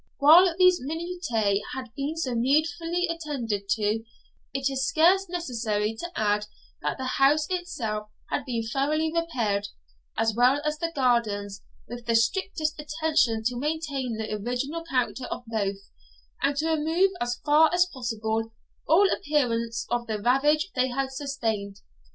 While these minutiae had been so needfully attended to, it is scarce necessary to add that the house itself had been thoroughly repaired, as well as the gardens, with the strictest attention to maintain the original character of both, and to remove as far as possible all appearance of the ravage they had sustained.